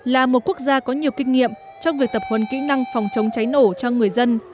là một quốc gia có nhiều kinh nghiệm trong việc tập huấn kỹ năng phòng chống cháy nổ cho người dân